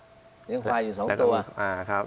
เลี้ยงขวายอยู่๒ตัวแล้วก็ล้มปลูกด้วย